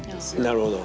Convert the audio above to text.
なるほど。